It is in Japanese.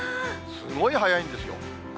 すごい早いんですよ。